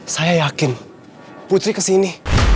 saya yakin putri kesini